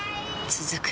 続く